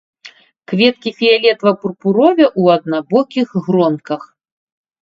Кветкі фіялетава-пурпуровя, у аднабокіх гронках.